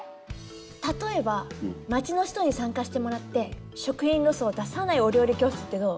例えば町の人に参加してもらって食品ロスを出さないお料理教室ってどう？